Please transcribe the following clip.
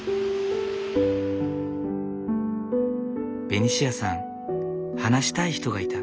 ベニシアさん話したい人がいた。